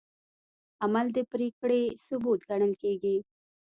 عمل د پرېکړې ثبوت ګڼل کېږي.